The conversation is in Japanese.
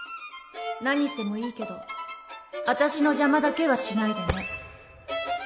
何してもいいけど私の邪魔だけはしないでね